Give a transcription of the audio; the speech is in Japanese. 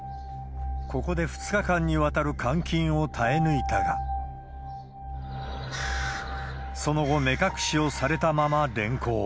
ここで２日間にわたる監禁を耐え抜いたが、その後、目隠しをされたまま連行。